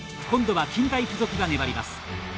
今度は近大付属が粘ります。